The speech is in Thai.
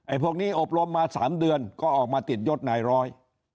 พวกนี้อบรมมา๓เดือนก็ออกมาติดยศนายร้อย